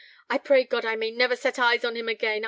I pray God I may never set eyes on him again.